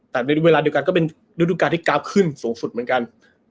แต่ในเวลาเดียวกันก็เป็นฤดูการที่กราฟขึ้นสูงสุดเหมือนกัน